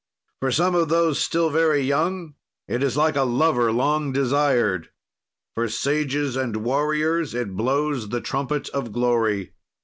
"For some of those still very young, it is like a lover long desired! "For sages and warriors, it blows the trumpet of glory.